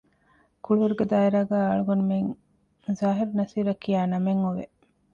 ކުޅިވަރުގެ ދާއިރާގައި އަޅުގަނޑުމެން ޒާހިރު ނަޞީރަށް ކިޔާ ނަމެއް އޮވެ